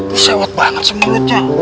lu sewot banget sih mulutnya